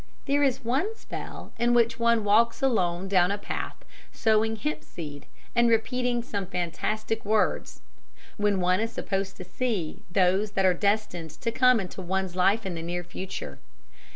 There is one spell in which one walks alone down a path sowing hempseed, and repeating some fantastic words; when one is supposed to see those that are destined to come into one's life in the near future.